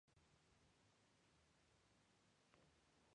Es conocida por su fábrica de obleas artesanas "Pan de Ángel".